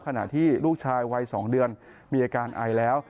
ขณะที่ลูกชายวัย๒เดือนมีอาการไอแล้ว